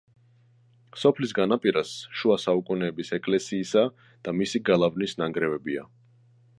სოფლის განაპირას შუა საუკუნეების ეკლესიისა და მისი გალავნის ნანგრევებია.